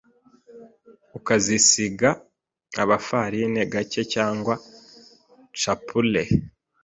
ukazisiga agafarine gake cyangwa chapelure;